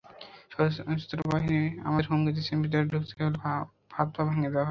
সন্ত্রাসী বাহিনী আমাদের হুমকি দিয়েছে, বিদ্যালয়ে ঢুকলে হাত-পা ভেঙে দেওয়া হবে।